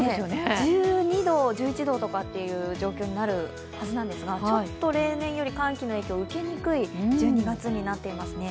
１２度、１１度とかいう状況になるはずなんですが、ちょっと例年より寒気の影響を受けにくい１２月になっています。